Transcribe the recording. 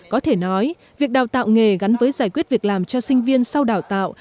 có thể nói việc đào tạo nghề gắn với giải quyết việc làm cho sinh viên sau đào tạo